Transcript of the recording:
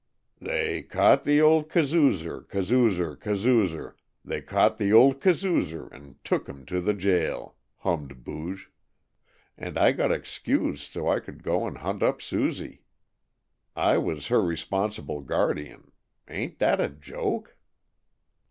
"They caught the old kazoozer, kazoozer, kazoozer, They caught the old kazoozer and took him to the jail," hummed Booge, "and I got excused so I could go and hunt up Susie: I was her responsible guardian. Ain't that a joke?"